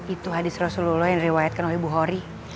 itu hadis rasulullah yang diriwayatkan oleh ibu hori